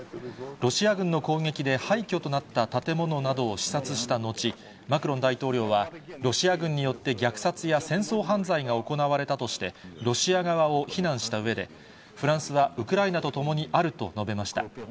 ロシア軍の攻撃で廃虚となった建物などを視察した後、マクロン大統領は、ロシア軍によって虐殺や戦争犯罪が行われたとして、ロシア側を非難したうえで、フランスはウクライナとともにあると述べました。